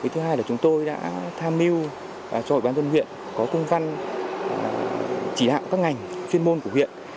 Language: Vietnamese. thứ hai là chúng tôi đã tham mưu cho ủy ban dân huyện có công văn chỉ đạo các ngành chuyên môn của huyện